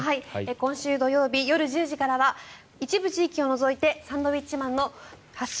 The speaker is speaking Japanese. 今週土曜日夜１０時からは一部地域を除いてサンドウィッチマンの「発進！